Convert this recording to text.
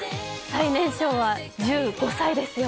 最年少は１５歳ですよ。